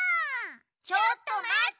ちょっとまって！